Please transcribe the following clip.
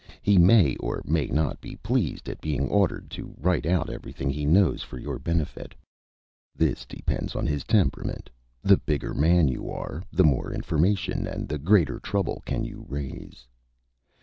He may or may not be pleased at being ordered to write out everything he knows for your benefit. This depends on his temperament. The bigger man you are, the more information and the greater trouble can you raise.